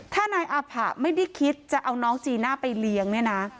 ถ้านายอาผะไม่ได้คิดจะเอาน้องจีน่าไปเลี้ยงเนี่ยนะ